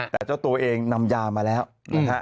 แต่เจ้าตัวเองนำยามาแล้วนะฮะ